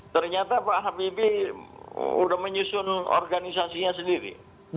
ternyata pak habibie sudah menyusun organisasinya sendiri